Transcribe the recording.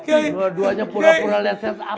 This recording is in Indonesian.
ini dua duanya pura pura liat setan